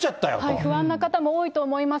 不安な方も多いと思います。